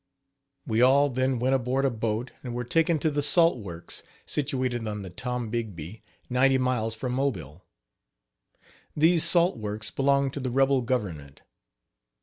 We all then went aboard a boat and were taken to the salt works, situated on the Tombigbee, ninety miles from Mobile. These salt works belonged to the rebel government.